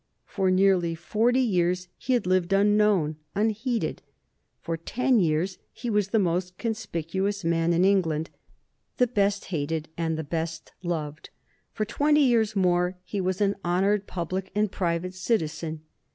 For nearly forty years he had lived unknown, unheeded. For ten years he was the most conspicuous man in England, the best hated and the best loved. For twenty years more he was an honored public and private citizen.